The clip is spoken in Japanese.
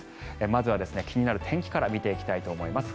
まずは気になる天気から見ていきたいと思います。